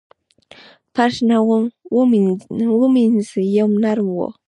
فرش نه و مینځ یې نرم و.